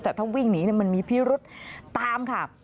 แต่ถ้าวิ่งหนีมันมีพิรุษตามค่ะ